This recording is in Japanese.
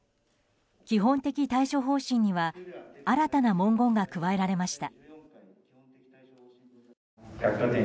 基本的対処方針には新たな文言が加えられました。